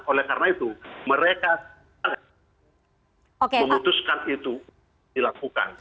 oleh karena itu mereka sangat memutuskan itu dilakukan